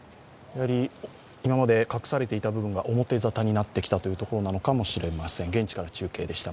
今まで隠されていた部分が表沙汰になってきたところかもしれません。